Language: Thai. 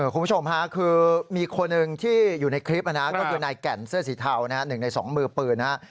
คุณผู้ชมค่ะคือมีคนหนึ่งที่อยู่ในคลิปนะครับก็คือนายแก่นเสื้อสีเทานะครับหนึ่งในสองมือปืนนะครับ